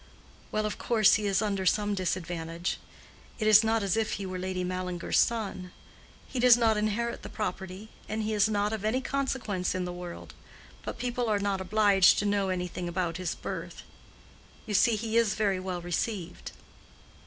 "Well, of course he is under some disadvantage: it is not as if he were Lady Mallinger's son. He does not inherit the property, and he is not of any consequence in the world. But people are not obliged to know anything about his birth; you see, he is very well received."